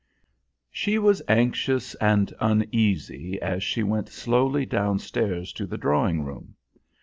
She was anxious and uneasy as she went slowly downstairs to the drawing room.